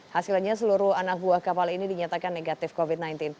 hasilnya seluruh anak buah kapal ini dinyatakan negatif covid sembilan belas